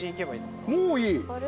もういい。